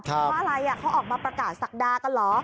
เพราะอะไรเขาออกมาประกาศศักดากันเหรอ